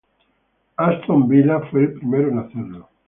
Aston Villa fue el primero en hacerlo.